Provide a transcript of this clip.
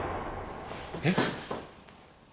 えっ？